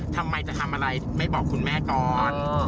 ทำไมจะทำอะไรถึงไม่บอกคุณแม่ก่อน